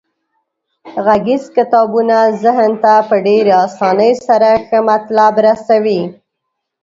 غږیز کتابونه ذهن ته په ډیرې اسانۍ سره ښه مطلب رسوي.